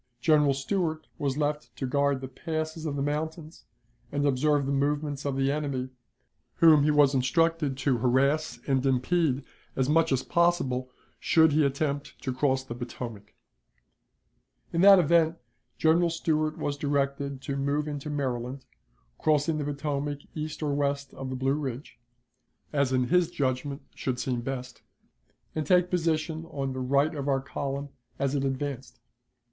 General Stuart was left to guard the passes of the mountains and observe the movements of the enemy, whom he was instructed to harass and impede as much as possible should he attempt to cross the Potomac, In that event General Stuart was directed to move into Maryland, crossing the Potomac east or west of the Blue Ridge, as in his judgment should seem best, and take position on the right of our column as it advanced.